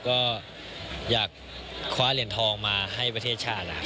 ก็อยากคว้าเหรียญทองมาให้ประเทศชาติ